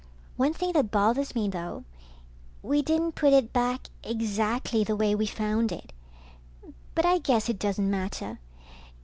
One thing that bothers me though, we didn't put it back exactly the way we found it. But I guess it doesn't matter.